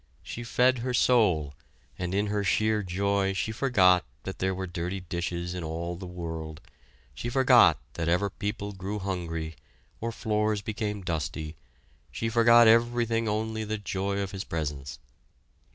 She fed her soul, and in her sheer joy she forgot that there were dirty dishes in all the world; she forgot that ever people grew hungry, or floors became dusty; she forgot everything only the joy of his presence.